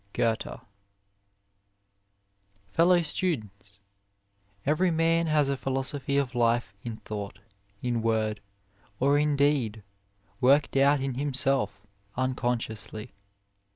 Goethe. PELLOW STUDENTS Every man has a philo sophy of life in thought, in word, or in deed, worked out in himself unconsciously.